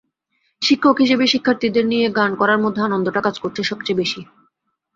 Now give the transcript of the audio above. শিক্ষক হিসেবে শিক্ষার্থীদের নিয়ে গান করার মধ্যে আনন্দটা কাজ করেছে সবচেয়ে বেশি।